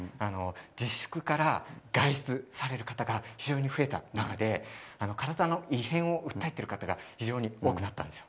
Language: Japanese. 自粛から外出される方が非常に増えた中で体の異変を訴えている方が非常に多くなったんです。